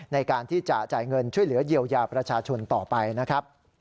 ในการที่จะจ่ายเงินช่วยเหลือเยียวยาประชาชนต่อไปนะครับ